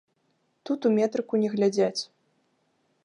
Тут у метрыку не глядзяць.